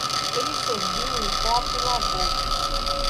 Ele serviu um copo e lavou.